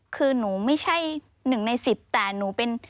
คือหนูไม่ใช่๑ใน๑๐แต่หนูเป็น